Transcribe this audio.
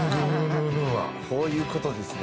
こういう事ですね。